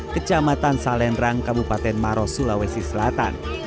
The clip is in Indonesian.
kecamatan salenrang kabupaten maros sulawesi selatan